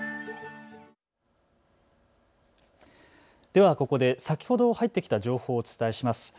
ではここで先ほど入ってきた情報をお伝えします。